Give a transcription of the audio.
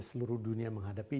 seluruh dunia menghadapi